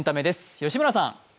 吉村さん。